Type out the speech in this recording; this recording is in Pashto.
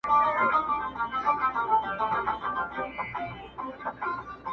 o نوريې دلته روزي و ختمه سوې,